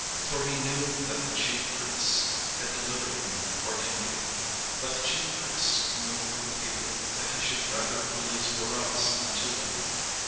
For he knew that the chief priests had delivered him for envy. But the chief priests moved the people, that he should rather release Barabbas unto them.